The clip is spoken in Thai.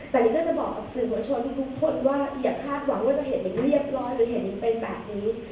แต่นิ้งก็จะบอกกับสื่อผู้ชมทุกทุกคนว่าอย่าพักหวังว่าจะเห็นอย่างเรียบร้อยหรือเห็นอย่างเป็นแบบนี้